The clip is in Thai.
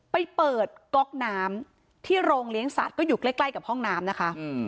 ไปเปิดก๊อกน้ำที่โรงเลี้ยงสัตว์ก็อยู่ใกล้กับห้องน้ำนะคะ